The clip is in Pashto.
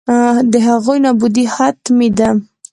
د هغوی نابودي حتمي ده.